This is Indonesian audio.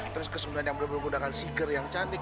terus kesempatan yang benar benar menggunakan seaker yang cantik